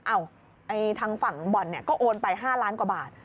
อ้าวทางฝั่งบ่อนก็โอนไป๕ล้านกว่าบาท